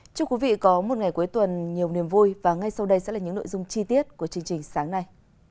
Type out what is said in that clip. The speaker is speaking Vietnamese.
chúc quý vị có một ngày cuối tuần nhiều niềm vui và ngay sau đây sẽ là những nội dung chi tiết của chương trình sáng nay